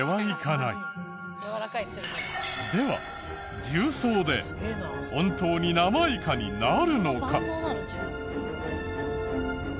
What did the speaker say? では重曹で本当に生イカになるのか？